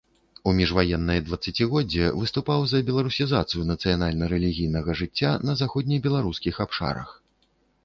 У міжваеннае дваццацігоддзе выступаў за беларусізацыю нацыянальна-рэлігійнага жыцця на заходнебеларускіх абшарах.